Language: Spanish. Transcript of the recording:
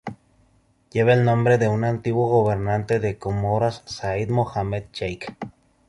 Lleva el nombre de un antiguo gobernante de Comoras, Said Mohamed Cheikh.